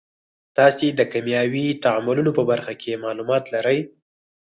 تاسې د کیمیاوي تعاملونو په برخه کې معلومات لرئ.